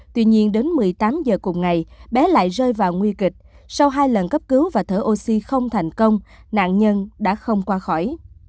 tuy nhiên đến một mươi tám h cùng ngày bé lại rơi vào nguy kịch sau hai lần cấp cứu và thở oxy không thành công nạn nhân đã không qua khỏi